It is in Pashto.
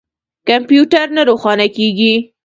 کمپیوټر نه روښانه کیږي